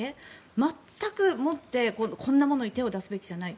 全くもって、こんなものに手を出すべきではない。